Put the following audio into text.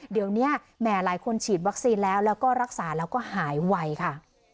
เดี๋ยวนี้แหมหลายคนฉีดวัคซีนแล้วแล้วก็รักษาแล้วก็หายไวค่ะ